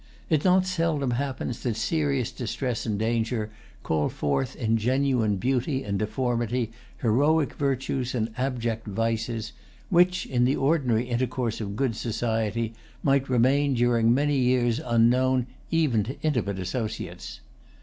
It not seldom happens that serious distress and danger call forth in genuine beauty and deformity heroic virtues and abject vices which, in the ordinary intercourse of good society, might remain during many years unknown even to intimate associates.